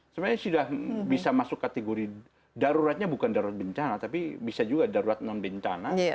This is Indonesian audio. sebenarnya sudah bisa masuk kategori daruratnya bukan darurat bencana tapi bisa juga darurat non bencana